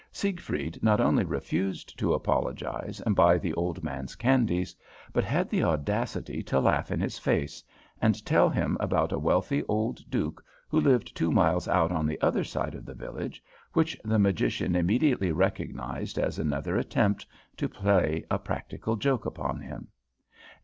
Siegfried not only refused to apologize and buy the old man's candies, but had the audacity to laugh in his face, and tell him about a wealthy old duke who lived two miles out on the other side of the village, which the magician immediately recognized as another attempt to play a practical joke upon him.